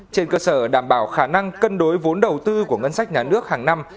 trên cơ sở đảm bảo khả năng cân đối vốn đầu tư của ngân sách nhà nước hàng năm